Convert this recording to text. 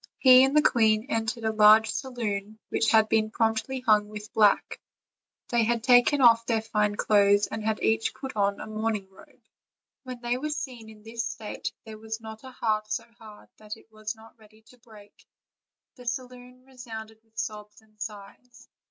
He and the queen entered a large saloon which had been promptly hung with black; they had taken off their fine clothes, and had each put on a mourning robe. When they were seen in this state there was not a heart so hard that it was not ready to break; the saloon re sounded with sobs and sighs.